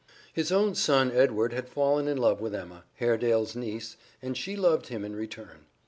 His own son Edward had fallen in love with Emma, Haredale's niece, and she loved him in return.